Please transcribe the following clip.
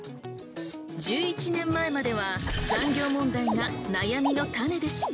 １１年前までは残業問題が悩みの種でした。